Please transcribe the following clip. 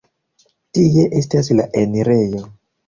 Tie estas la enirejo.